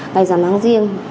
ngày giảm tháng riêng